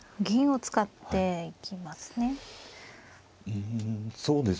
銀を使っていきますね。